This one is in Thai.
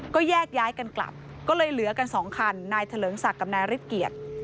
ก็แยกย้ายกันกลับก็เลยเหลือกันสองคันนายเถลิงศักดิ์กับนายฤทธิเกียรติ